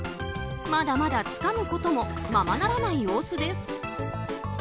まだまだ、つかむこともままならない様子です。